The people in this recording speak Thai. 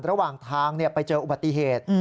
ระหว่างทางไปเจออุบัติเหตุ